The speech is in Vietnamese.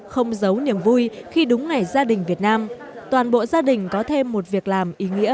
không giấu niềm vui khi đúng ngày gia đình việt nam toàn bộ gia đình có thêm một việc làm ý nghĩa